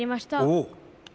おっ！